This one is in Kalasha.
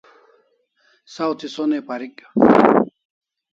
Saw thi sonai parik